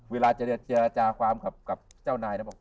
เวลาจะเจออาจารย์ความกับเจ้านายนะ